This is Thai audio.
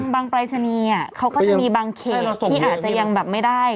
ปรายศนีย์เขาก็จะมีบางเขตที่อาจจะยังแบบไม่ได้